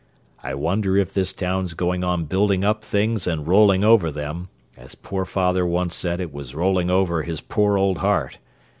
"I wonder if this town's going on building up things and rolling over them, as poor father once said it was rolling over his poor old heart.